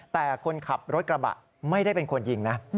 แต่คนขับรถกระบะไม่ได้เป็นคนยิงนะ